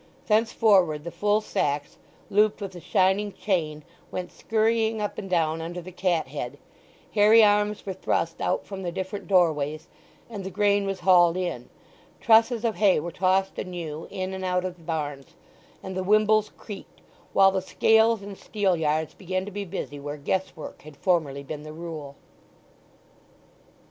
Thenceforward the full sacks, looped with the shining chain, went scurrying up and down under the cat head, hairy arms were thrust out from the different door ways, and the grain was hauled in; trusses of hay were tossed anew in and out of the barns, and the wimbles creaked; while the scales and steel yards began to be busy where guess work had formerly been the rule.